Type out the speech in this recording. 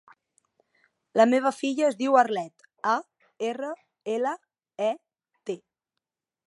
La meva filla es diu Arlet: a, erra, ela, e, te.